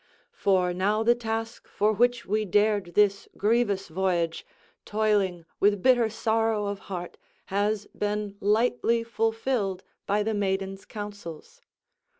For now the task for which we dared this grievous voyage, toiling with bitter sorrow of heart, has been lightly fulfilled by the maiden's counsels.